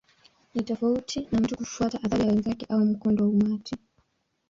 Ni tofauti na mtu kufuata athari ya wenzake au mkondo wa umati.